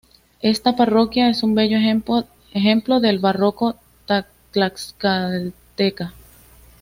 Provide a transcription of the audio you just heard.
Esta parroquia es un bello ejemplo del barroco tlaxcalteca.